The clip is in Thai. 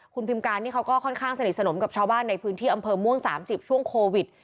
คุณพิมการนี่เขาก็ค่อนข้างสนิทสนมกับชาวบ้านในพื้นที่อำเภอม่วง๓๐ช่วงโควิด